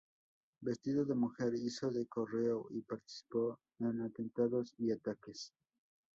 Vestido de mujer, hizo de correo y participó en atentados y ataques.